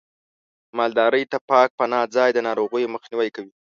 مالدارۍ ته پاک پناه ځای د ناروغیو مخنیوی کوي.